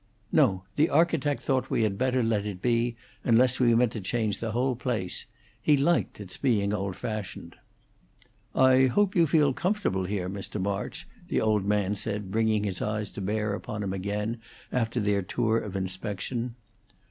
"No; the architect thought we had better let it be, unless we meant to change the whole place. He liked its being old fashioned." "I hope you feel comfortable here, Mr. March," the old man said, bringing his eyes to bear upon him again after their tour of inspection.